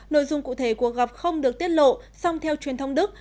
nội dung cụ thể cuộc gặp không được tiết lộ song theo truyền thông đức